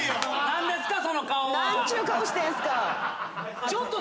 何ですか？